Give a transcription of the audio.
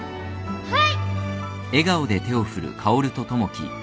はい。